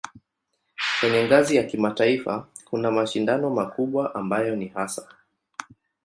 Kwenye ngazi ya kimataifa kuna mashindano makubwa ambayo ni hasa